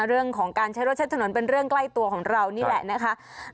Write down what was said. เรื่องของการใช้รถใช้ถนนเป็นเรื่องใกล้ตัวของเรานี่แหละนะคะ